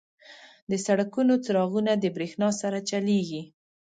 • د سړکونو څراغونه د برېښنا سره چلیږي.